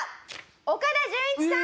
岡田准一さん！